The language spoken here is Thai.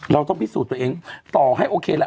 เราต้องพิสูจน์ตัวเอง